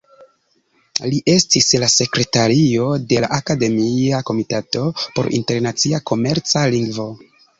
Li estis la sekretario de la Akademia Komitato por Internacia Komerca Lingvo.